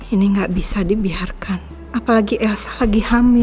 ini nggak bisa dibiarkan apalagi elsa lagi hamil